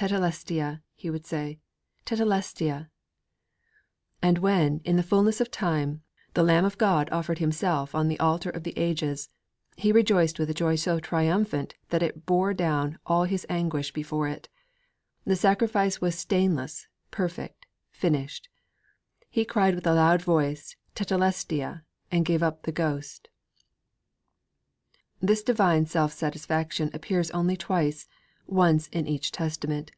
'Tetelestai!' he would say, 'tetelestai!' And when, in the fullness of time, the Lamb of God offered Himself on the altar of the ages, He rejoiced with a joy so triumphant that it bore down all His anguish before it. The sacrifice was stainless, perfect, finished! 'He cried with a loud voice Tetelestai! and gave up the ghost.' This divine self satisfaction appears only twice, once in each Testament.